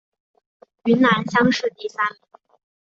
云南乡试第三名。